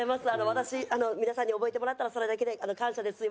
私皆さんに覚えてもらったらそれだけで感謝です。